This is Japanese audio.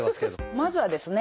まずはですね